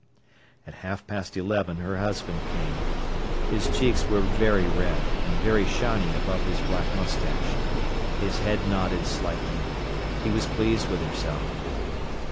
At half past eleven her husband came. His cheeks were very red and very shiny above his black moustache. His head nodded slightly. He was pleased with himself.